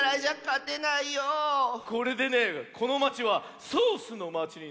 これでねこのまちはソースのまちになったぞ。